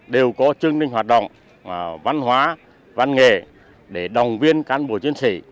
đều có chương trình hoạt động văn hóa văn nghề để đồng viên cán bộ chiến sĩ